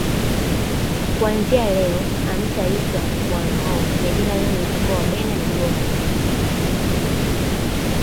Kuanzia leo hamtaitwa Wanghoo na jina lenu litakuwa Wabena migoha